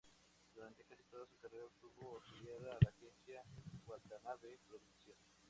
Durante casi toda su carrera estuvo afiliada a la agencia Watanabe Productions.